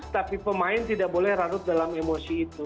tapi pemain tidak boleh rarut dalam emosi itu